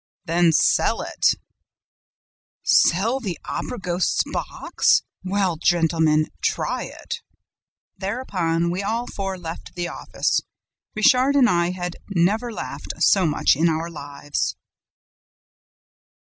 "'Then sell it.' "'Sell the Opera ghost's box! Well, gentlemen, try it.' "Thereupon we all four left the office. Richard and I had 'never laughed so much in our lives.'"